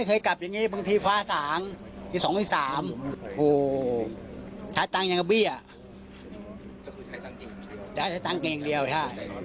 ใช้เงินเก่งเดียวค่ะ